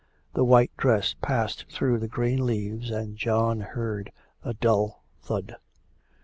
The white dress passed through the green leaves, and John heard a dull thud.